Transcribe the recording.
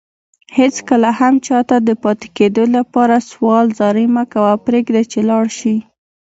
هيڅ کله هم چاته دپاتي کيدو لپاره سوال زاری مکوه پريږده چي لاړشي